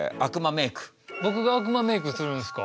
僕があくまメイクするんすか？